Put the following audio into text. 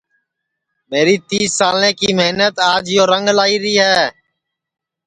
میری تیس سالیں کی محنت آج یو رنگ لائی ری ہے